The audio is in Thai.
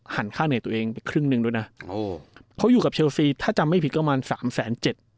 หันค่าเนยตัวเองไปครึ่งนึงด้วยนะเขาอยู่กับเชลสีถ้าจำไม่ผิดกระมาณ๓แสน๗